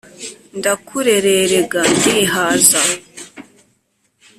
ndakurererega ndihaza